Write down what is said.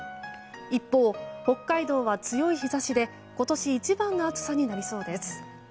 一方、北海道は強い日差しで今年一番の暑さになりそうです。